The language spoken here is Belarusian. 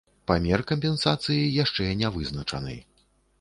Памер кампенсацыі яшчэ не вызначаны.